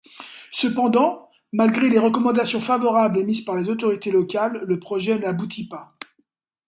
Cependant, malgré les recommandations favorables émises par les autorités locales, le projet n'aboutit pas.